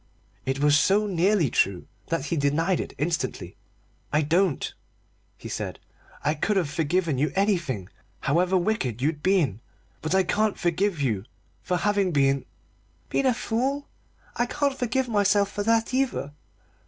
It was so nearly true that he denied it instantly. "I don't," he said. "I could have forgiven you anything, however wicked you'd been but I can't forgive you for having been " "Been a fool? I can't forgive myself for that, either.